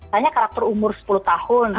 saya karakter umur sepuluh tahun